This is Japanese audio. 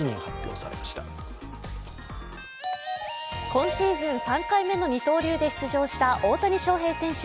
今シーズン３回目の二刀流で出場した大谷翔平選手。